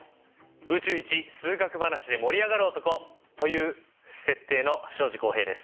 宇宙一数学話で盛り上がる男！という設定の庄司浩平です。